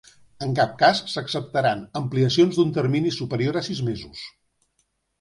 En cap cas s'acceptaran ampliacions d'un termini superior a sis mesos.